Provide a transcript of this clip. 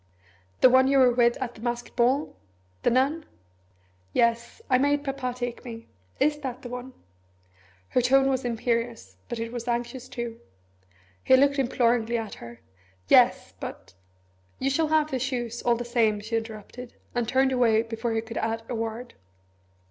"The one you were with at the masked ball? The nun? Yes I made Papa take me. Is it that one?" Her tone was imperious, but it was anxious too. He looked imploringly at her. "Yes, but " "You shall have the shoes, all the same," she interrupted, and turned away before he could add a word.